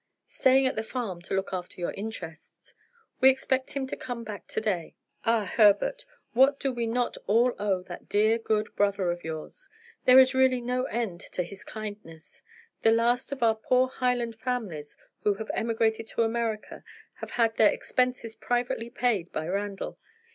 "Staying at the farm to look after your interests. We expect him to come back to day. Ah, Herbert, what do we not all owe to that dear good brother of yours? There is really no end to his kindness. The last of our poor Highland families who have emigrated to America have had their expenses privately paid by Randal.